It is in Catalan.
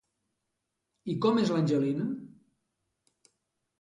I com és l'Angelina?